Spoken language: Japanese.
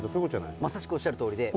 まさしくおっしゃるとおりで。